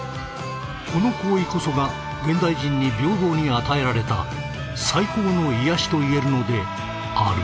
この行為こそが現代人に平等に与えられた最高の癒やしといえるのである